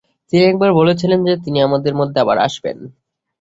তিনি একবার বলেছিলেন যে, তিনি আমাদের মধ্যে আবার আসবেন।